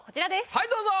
はいどうぞ。